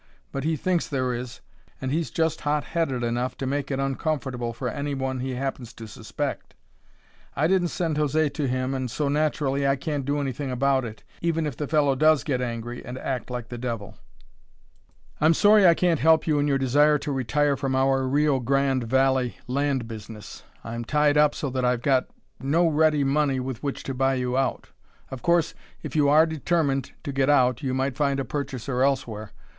But he thinks there is, and he's just hot headed enough to make it uncomfortable for anybody he happens to suspect. I didn't send José to him and so, naturally, I can't do anything about it, even if the fellow does get angry and act like the devil. "I'm sorry I can't help you in your desire to retire from our Rio Grande valley land business. I'm tied up so that I've got no ready money with which to buy you out. Of course, if you are determined to get out, you might find a purchaser elsewhere.